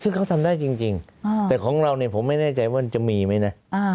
ซึ่งเขาทำได้จริงแต่ของเราเนี่ยผมไม่แน่ใจว่ามันจะมีไหมนะ